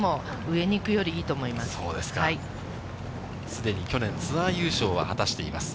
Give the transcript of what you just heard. すでに去年、ツアー優勝は果たしています。